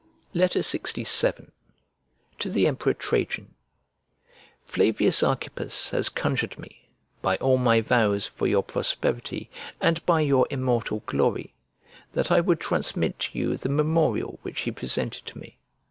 LXVII To THE EMPEROR TRAJAN FLAVIUS ARCHIPPUS has conjured me, by all my vows for your prosperity, and by your immortal glory, that I would transmit to you the memorial which he presented to me.